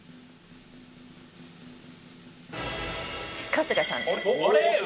春日さんです。